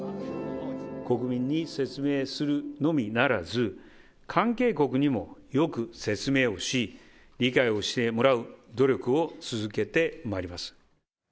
国民に説明するのみならず、関係国にもよく説明をし、理解をしてもらう努力を続けてまいります。